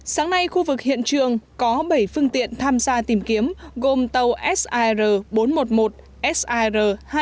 sáng nay khu vực hiện trường có bảy phương tiện tham gia tìm kiếm gồm tàu sir bốn trăm một mươi một sir hai trăm một mươi